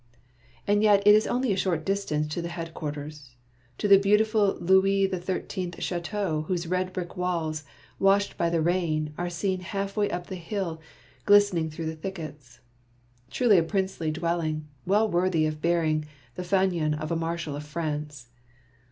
And yet it is only a short distance to headquar ters, to that beautiful Louis XIII. chateau whose red brick walls, washed by the rain, are seen half way up the hill, glistening through the thickets. Truly a princely dwelling, well worthy of bearing the fanion of a Marshal of France.